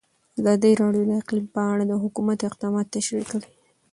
ازادي راډیو د اقلیم په اړه د حکومت اقدامات تشریح کړي.